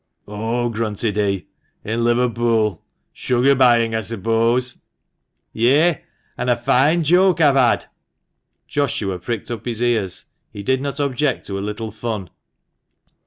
"Oh!" grunted he, "in Liverpool. Sugar buying, I suppose?" "Yea; an' a fine joke I've had." " Joshua pricked up his ears ; he did not object to a little fun.